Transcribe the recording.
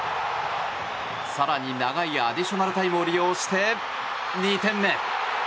更に長いアディショナルタイムを利用して、２点目。